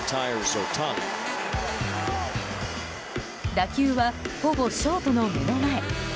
打球はほぼショートの目の前。